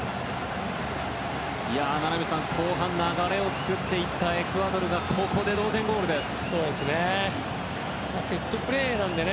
名波さん、後半流れを作っていったエクアドルがここで同点ゴールです。